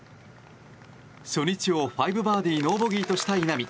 初日を５バーディーノーボギーとした稲見。